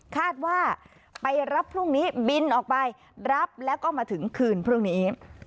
คาดว่าไปรับพรุ่งนี้บินออกไปรับแล้วก็มาถึงคืนพรุ่งนี้